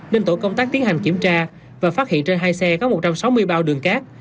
nên tổ công tác tiến hành kiểm tra và phát hiện trên hai xe có một trăm sáu mươi bao đường cát